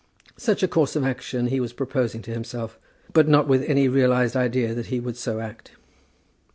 Such a course of action he was proposing to himself, but not with any realized idea that he would so act.